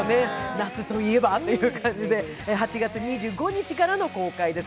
夏といえばという感じで、８月２５日からの公開です。